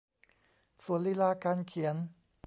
ส่วนลีลาการเขียน